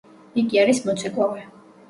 იგი არის მოცეკვავე.